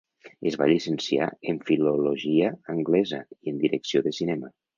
Es va llicenciar en Filologia anglesa, i en direcció de cinema.